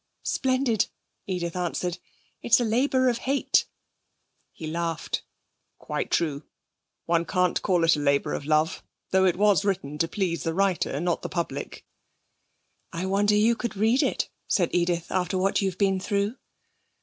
'Splendid,' Edith answered; 'it's a labour of hate.' He laughed. 'Quite true. One can't call it a labour of love, though it was written to please the writer not the public.' 'I wonder you could read it,' said Edith, 'after what you've been through.'